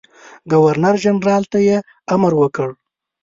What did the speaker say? ګورنرجنرال ته یې امر وکړ.